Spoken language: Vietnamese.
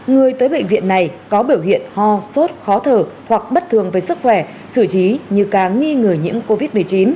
người tới bệnh viện này có biểu hiện ho sốt khó thở hoặc bất thường với sức khỏe xử trí như ca nghi ngờ nhiễm covid một mươi chín